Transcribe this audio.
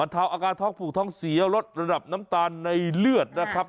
เทาอาการท้องผูกท้องเสียลดระดับน้ำตาลในเลือดนะครับ